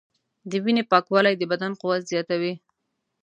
د وینې پاکوالی د بدن قوت زیاتوي.